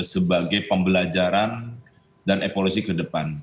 sebagai pembelajaran dan evolusi ke depan